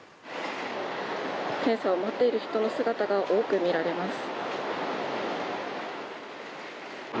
検査を待っている人の姿が多くみられます。